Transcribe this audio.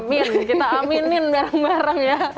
biar kita aminin bareng bareng ya